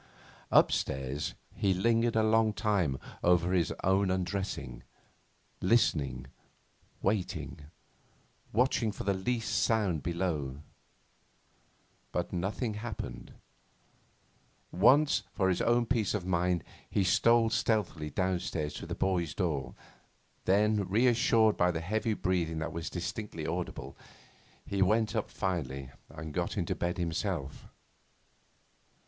Upstairs he lingered a long time over his own undressing, listening, waiting, watching for the least sound below. But nothing happened. Once, for his own peace of mind, he stole stealthily downstairs to the boy's door; then, reassured by the heavy breathing that was distinctly audible, he went up finally and got into bed himself.